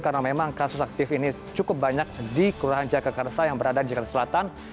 karena memang kasus aktif ini cukup banyak di kelurahan jagakarsa yang berada di jakarta selatan